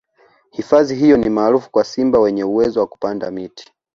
hifadhi hiyo ni maarufu kwa simba wenye uwezo wa kupanda miti